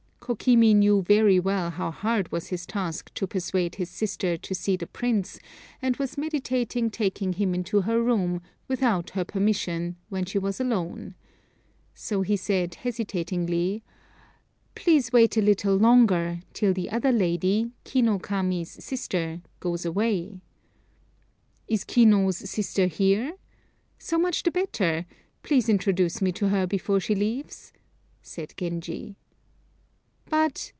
Kokimi knew very well how hard was his task to persuade his sister to see the Prince, and was meditating taking him into her room, without her permission, when she was alone. So he said, hesitatingly, "Please wait a little longer, till the other lady, Ki no Kami's sister, goes away." "Is Ki no's sister here? So much the better. Please introduce me to her before she leaves," said Genji. "But!"